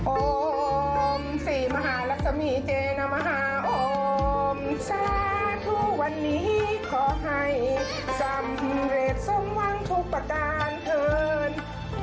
โอมศรีมหาลักษมีเจนมหาอมสาธุวันนี้ขอให้สำเร็จสมหวังทุกประการเถิน